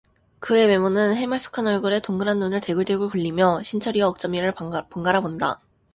그의 의모는 해말쑥한 얼굴에 동그란 눈을 대굴대굴 굴리며 신철이와 옥점이를 번갈아 본다.